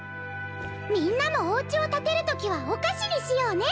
みんなもおうちを建てるときはお菓子にしようね。